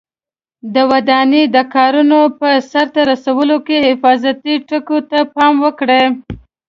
د ودانۍ د کارونو په سرته رسولو کې حفاظتي ټکو ته پام وکړئ.